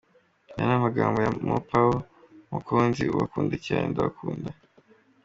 Aya ni amagambo ya Mopao Mokonzi ubakunda cyane, ndabakunda !”